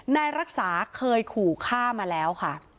นายรักษาเคยขู่ฆ่ามาแล้วค่ะ